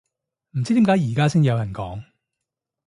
唔知點解而家先有人講